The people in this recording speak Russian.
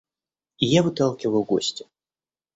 И я выталкиваю гостя.